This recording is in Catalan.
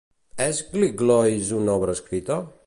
És Gliglois una obra escrita?